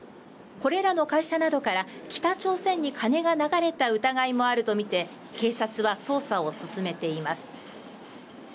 これらの会社などから北朝鮮に金が流れた疑いもあるとみて警察は捜査を進めています